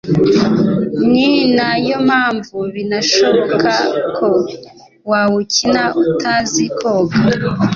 ni na yo mpamvu binashoboka ko wawukina utazi koga